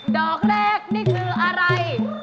ดอกแรกนี่คืออะไร